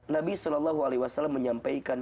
nabi saw menyampaikan